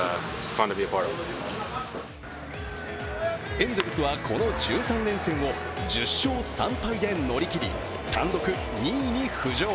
エンゼルスはこの１３連戦を１０勝３敗で乗り切り単独２位に浮上。